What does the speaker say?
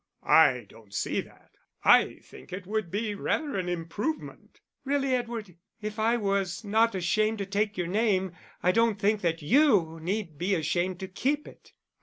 "I don't see that; I think it would be rather an improvement." "Really, Edward, if I was not ashamed to take your name, I don't think that you need be ashamed to keep it."